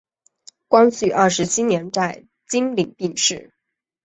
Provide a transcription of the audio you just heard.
光绪二十七年在经岭病逝。